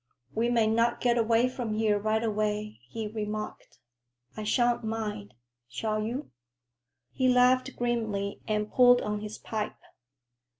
"We may not get away from here right away," he remarked. "I shan't mind. Shall you?" He laughed grimly and pulled on his pipe.